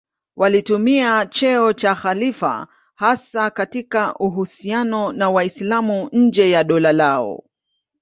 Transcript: Walitumia cheo cha khalifa hasa katika uhusiano na Waislamu nje ya dola lao.